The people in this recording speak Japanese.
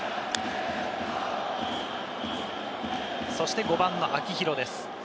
そして５番の秋広です。